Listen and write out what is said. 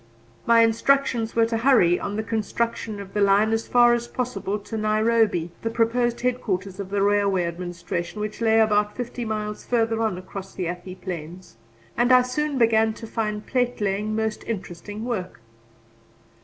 My instructions were to hurry on the construction of the line as fast as possible to Nairobi, the proposed headquarters of the Railway Administration, which lay about fifty miles further on across the Athi Plains; and I soon began to find platelaying most interesting work.